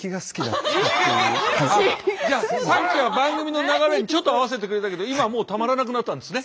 じゃあさっきは番組の流れにちょっと合わせてくれたけど今はもうたまらなくなったんですね。